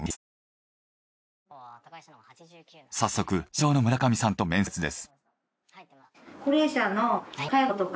早速社長の村上さんと面接です。